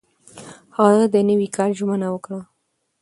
هغه د نوي کال ژمنه وکړه.